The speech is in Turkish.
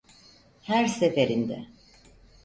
Her seferinde.